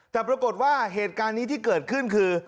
แต่ปรากฏว่าเหตุการณ์นี้ที่เกิดขึ้นคือ